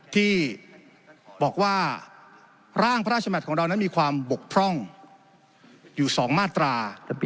ที่บอกว่าร่างพระราชมัติของเรานั้นมีความบกพร่องอยู่๒มาตรา